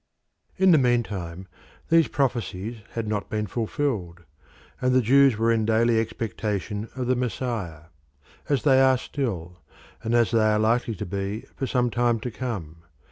In the meantime these prophecies had not been fulfilled, and the Jews were in daily expectation of the Messiah as they are still, and as they are likely to be for some time to come.